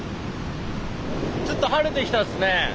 ちょっと晴れてきたっすね